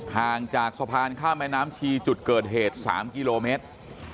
ห่างจากสะพานข้ามแม่น้ำชีจุดเกิดเหตุ๓กิโลเมตร